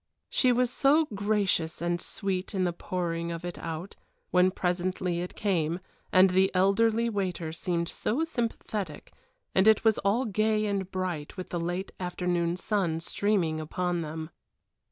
She was so gracious and sweet in the pouring of it out, when presently it came, and the elderly waiter seemed so sympathetic, and it was all gay and bright with the late afternoon sun streaming upon them.